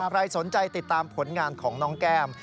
ใครสนใจติดตามผลงานของน้องแก้ม